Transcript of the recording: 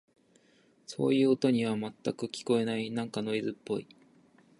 そういう音には、全く聞こえない。なんかノイズっぽい。